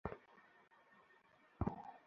ঘরটা পছন্দ হয়েছে।